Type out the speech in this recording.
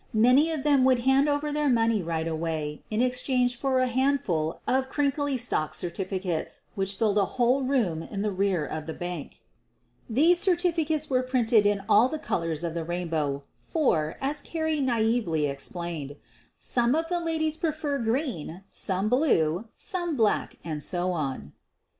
Many of them would hand over their money right away in exchange for a handful of the crinkly stock certificates which filled a whole room in the rear of the bank. These certificates were printed in all the colors of the rainbow, for, as Car rie naively explained, "some of the ladies prefer green, some blue, some black, and so on."